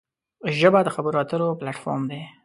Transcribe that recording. ژبه د خبرو اترو پلیټ فارم دی